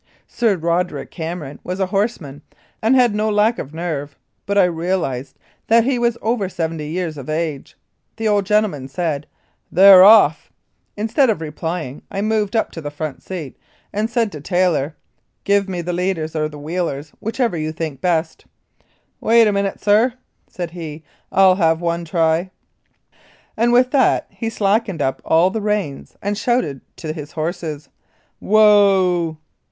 Sir Roderick Cameron was a horseman, and had no lack of nerve, but I realised that he was over seventy years of age. The old gentleman said, "They're off !" Instead of replying I moved up to the front seat and said to Taylor, " Give me the leaders or the wheelers, whichever you think best." "Wait a minute, sir," said he, "I'll have one try," and with that he slacked up all the reins and shouted to his horses : "Whoa